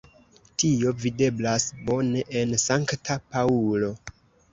Tio videblas bone en Sankta Paŭlo.